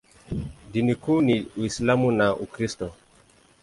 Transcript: Dini kuu ni Uislamu na Ukristo.